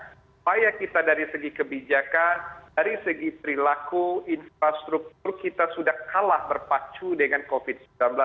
supaya kita dari segi kebijakan dari segi perilaku infrastruktur kita sudah kalah berpacu dengan covid sembilan belas